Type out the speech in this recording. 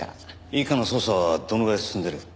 一課の捜査はどのぐらい進んでる？